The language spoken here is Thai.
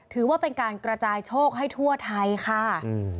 ถือว่าเป็นการกระจายโชคให้ทั่วไทยค่ะ